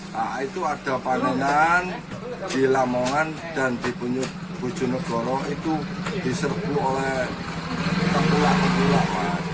nah itu ada panenan di lamongan dan di bucunegoro itu diserbu oleh ketua ketua